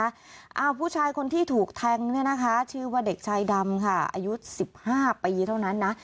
เอาผู้ชายคนที่ถูกแทงเนี่ยนะคะชื่อว่าเด็กชายดำค่ะอายุสิบห้าปีเท่านั้นนะ